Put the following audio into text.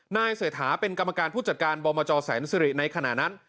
เศรษฐาเป็นกรรมการผู้จัดการบมจแสนสิริในขณะนั้น